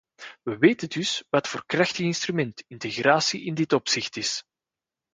We weten dus wat voor krachtig instrument integratie in dit opzicht is.